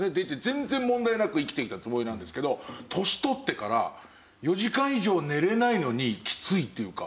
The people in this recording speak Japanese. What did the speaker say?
全然問題なく生きてきたつもりなんですけど年取ってから４時間以上寝れないのにきついっていうか。